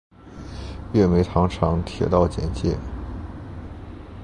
月眉糖厂铁道简介